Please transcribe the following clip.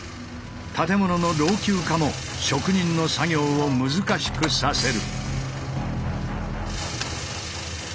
建物の老朽化も職人の作業を難しくさせる。